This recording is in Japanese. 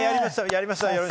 やりましたよ。